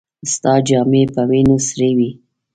ستا جامې په وينو سرې وې.